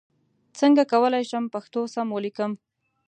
څنګه کولای شم پښتو سم ولیکم ؟